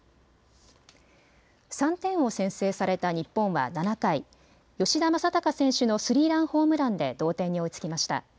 ３点を先制された日本は７回、吉田正尚選手のスリーランホームランで同点に追いつきました。